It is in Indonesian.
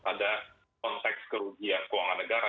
pada konteks kerugian keuangan negara